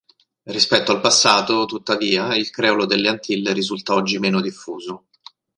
Rispetto al passato, tuttavia, il creolo della Antille risulta oggi meno diffuso.